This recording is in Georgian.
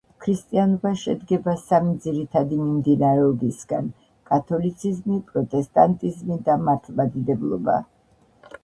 ქრისტიანობა შედგება სამი ძირითადი მიმდინარეობისგან: კათოლიციზმი, პროტესტანტიზმი და მართლმადიდებლობა.